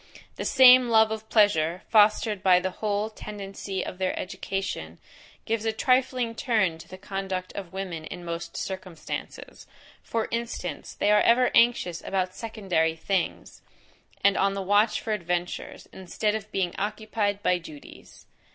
The same love of pleasure, fostered by the whole tendency of their education, gives a trifling turn to the conduct of women in most circumstances: for instance, they are ever anxious about secondary things; and on the watch for adventures, instead of being occupied by duties.